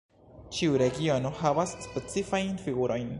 Ĉiu regiono havas specifajn figurojn.